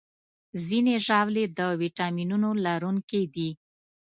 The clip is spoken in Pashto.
ځینې ژاولې د ویټامینونو لرونکي دي.